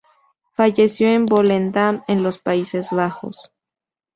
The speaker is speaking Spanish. Falleció en Volendam, en los Países Bajos.